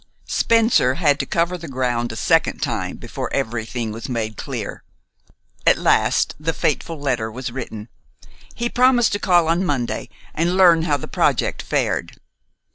Spencer had to cover the ground a second time before everything was made clear. At last the fateful letter was written. He promised to call on Monday and learn how the project fared.